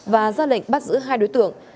và ra lệnh bắt giữ hai đối tượng